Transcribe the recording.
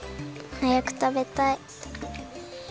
はやくたべたい。